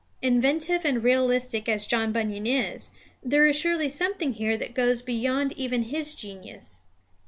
Inventive and realistic as John Bunyan is, there is surely something here that goes beyond even his genius.